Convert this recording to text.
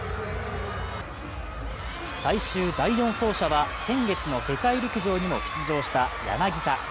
最終・第４走者は先月の世界陸上にも出場した柳田。